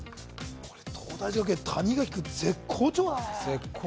東大寺学園谷垣君、絶好調だね！